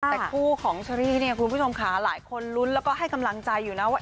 แต่คู่ของเชอรี่เนี่ยคุณผู้ชมค่ะหลายคนลุ้นแล้วก็ให้กำลังใจอยู่นะว่า